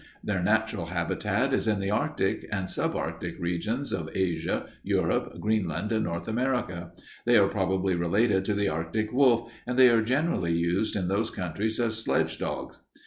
"Their natural habitat is in the Arctic and sub Arctic regions of Asia, Europe, Greenland, and North America. They are probably related to the Arctic wolf and they are generally used in those countries as sledge dogs.